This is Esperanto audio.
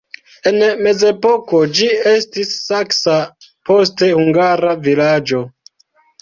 En mezepoko ĝi estis saksa, poste hungara vilaĝo.